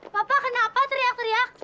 bapak kenapa teriak teriak